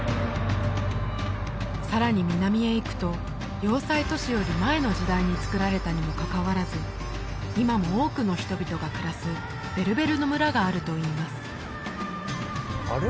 さらに南へ行くと要塞都市より前の時代につくられたにもかかわらず今も多くの人々が暮らすベルベルの村があるといいますあれ？